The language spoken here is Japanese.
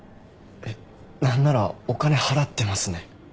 何ならお金払ってますね。